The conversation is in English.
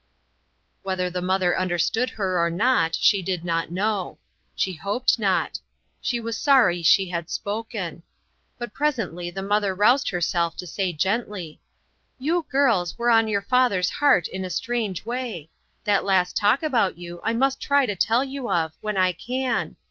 Whether the mother understood her or not, she did not know. She hoped not; she was sorry she had spoken. But presently the mother roused herself to say gently :" You girls were on your father's heart in a strange way. That last talk about you I must try to tell you of, when I can.